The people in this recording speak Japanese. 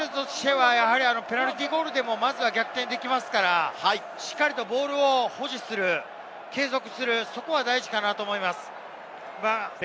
ペナルティーゴールでも逆転できますから、しっかりボールを保持する、継続する、そこが大事かなと思います。